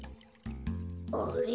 あれ？